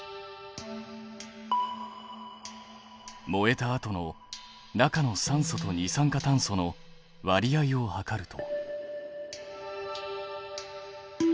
燃えたあとの中の酸素と二酸化炭素の割合を測ると。